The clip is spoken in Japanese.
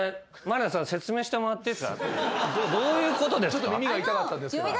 ちょっと耳が痛かったんですけど。